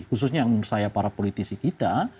khususnya menurut saya para politisi kita